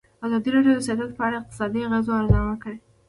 ازادي راډیو د سیاست په اړه د اقتصادي اغېزو ارزونه کړې.